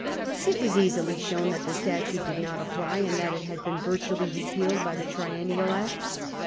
It was easily shown that the statute did not apply, and that it had been virtually repealed by the Triennial Act.